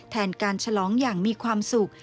แทนการฉลองอย่างมีความสุข